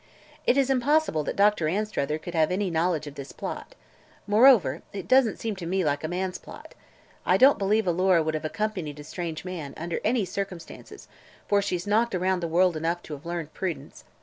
"It is impossible that Dr. Anstruther could have any knowledge of this plot. Moreover, it doesn't seem to me like a man's plot. I don't believe Alora would have accompanied a strange man, under any circumstances, for she's knocked around the world enough to have learned prudence.